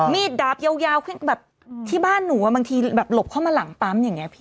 มีดดับยาวยาวแบบที่บ้านหนูอ่ะบางทีหลบเข้ามาหลังปั๊มอย่างนี้พี่